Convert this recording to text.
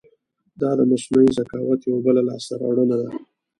دا د مصنوعي ذکاوت یو بله لاسته راوړنه ده.